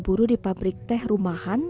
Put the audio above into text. buru di pabrik teh rumahan